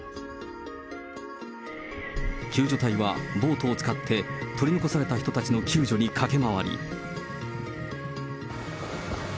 救助隊はボートを使って、取り残された人たちの救助に駆け回り。